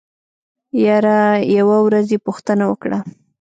يره يوه ورځ يې پوښتنه وکړه.